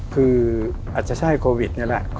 คืออาจจะใช่โควิด๑๙